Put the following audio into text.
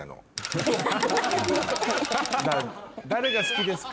誰が好きですか？